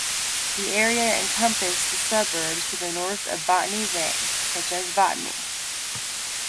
The area encompassed the suburbs to the north of Botany Bay, such as Botany.